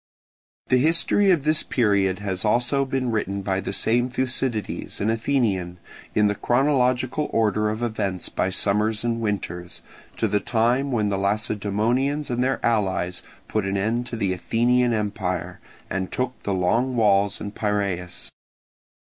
The history of this period has been also written by the same Thucydides, an Athenian, in the chronological order of events by summers and winters, to the time when the Lacedaemonians and their allies put an end to the Athenian empire, and took the Long Walls and Piraeus.